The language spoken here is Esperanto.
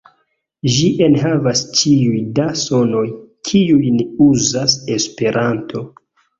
Ĝi enhavas ĉiuj da sonoj, kiujn uzas Esperanto.